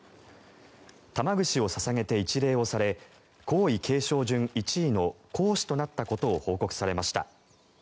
玉串を捧げて一礼をされ皇位継承順１位の皇嗣となったことを報告されました。